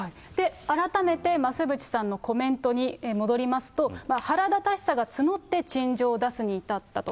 改めて増渕さんのコメントに戻りますと、腹立たしさが募って、陳情を出すに至ったと。